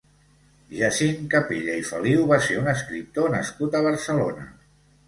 Jacint Capella i Feliú va ser un escriptor nascut a Barcelona.